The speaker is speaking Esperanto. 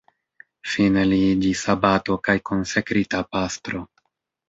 Fine li iĝis abato kaj konsekrita pastro.